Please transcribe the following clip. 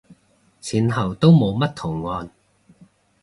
前後都冇乜圖案